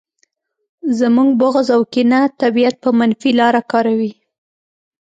زموږ بغض او کینه طبیعت په منفي لاره کاروي